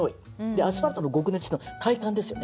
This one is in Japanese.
「アスファルトの極熱」ってのは体感ですよね。